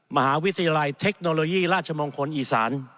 มหาวิทยาลัยเทคโนโลยีราชมงคลอีสาน